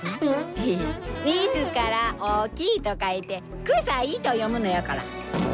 「自ら大きい」と書いて「臭い」と読むのやから！